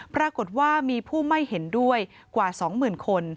ปรากฏว่ามีผู้ไม่เห็นด้วยกว่าสองหมื่นคน